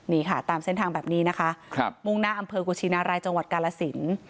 นี่ค่ะตามเส้นทางแบบนี้นะคะมุ่งหน้าอำเภอกุชินารายจังหวัดกาลสิน